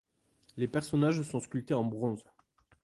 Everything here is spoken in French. Les personnages sont sculptés en bronze.